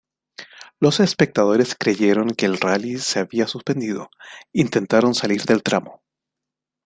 Los espectadores creyeron que el rally se había suspendido, intentaron salir del tramo.